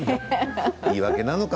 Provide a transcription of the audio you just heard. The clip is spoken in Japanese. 言い訳なのか